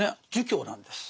儒教なんです。